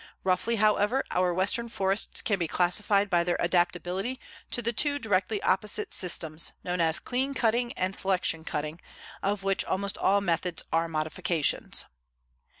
Roughly, however, our Western forests can be classified by their adaptability to the two directly opposite systems, known as clean cutting and selection cutting, of which almost all methods are modifications.